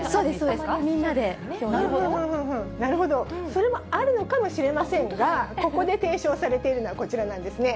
それもあるのかもしれませんが、ここで提唱されているのはこちらなんですね。